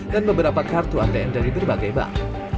dan beberapa kartu atm dari berbagai bank